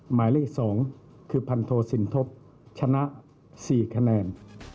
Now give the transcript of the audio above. หมายเลข๒คือพันโทสินทบชนะ๔คะแนน